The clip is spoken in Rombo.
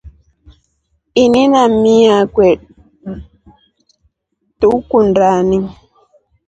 Ini na mii akwe tukundani.